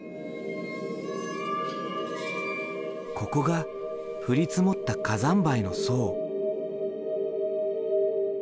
ここが降り積もった火山灰の層。